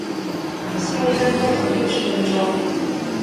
下一班要等六十分钟